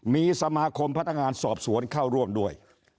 มีสมาคมพนักงานสอบสวนเข้าร่วมด้วย